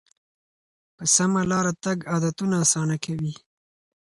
په سمه لاره تګ عادتونه اسانه کوي.